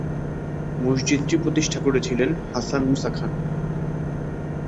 মসজিদটি প্রতিষ্ঠা করেছিলেন হাসান মুসা খান।